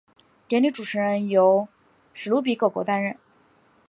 典礼主持人由史奴比狗狗担任。